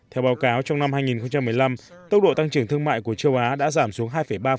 theo báo cáo trong năm hai nghìn một mươi năm tốc độ tăng trưởng thương mại của châu á đã giảm xuống hai ba